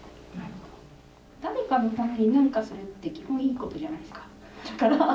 誰かのために何かするって基本いいことじゃないですか。